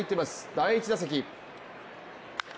第１打席。